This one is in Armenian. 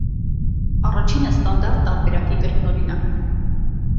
Առաջինը ստանդարտ տարբերակի կրկօրինակն է։